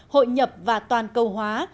hội nhập và toàn cầu hóa